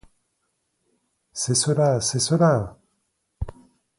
C'est cela, c'est cela!